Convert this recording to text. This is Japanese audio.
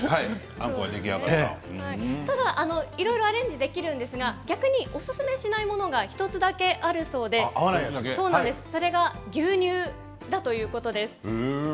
いろいろアレンジできるんですが逆におすすめしないものが１つだけあるそうでそれが牛乳だということです。